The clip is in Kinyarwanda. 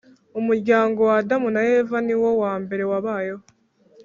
Umuryango wa Adamu na Eva ni wo wa mbere wabayeho